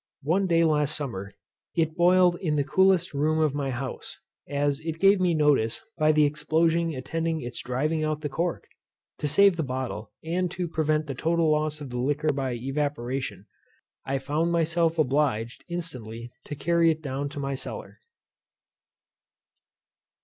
One day last summer, it boiled in the coolest room of my house; as it gave me notice by the explosion attending its driving out the cork. To save the bottle, and to prevent the total loss of the liquor by evaporation, I found myself obliged instantly to carry it down to my cellar.